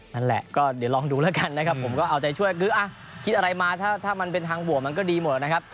นั่นแหละก็เดี๋ยวลองดูแล้วกันนะครับผมก็เอาใจช่วยคือคิดอะไรมาถ้ามันเป็นทางบวกมันก็ดีหมดนะครับ